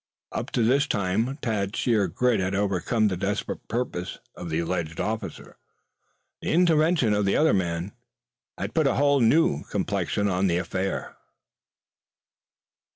Up to this time Tad's sheer grit had overcome the desperate purpose of the alleged officer. The intervention of the other man had put a new complexion on the affair.